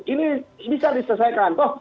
ini bisa diselesaikan